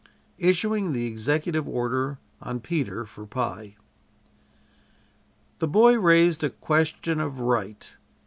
ISSUING THE EXECUTIVE ORDER ON PETER FOR PIE The boy raised a question of right.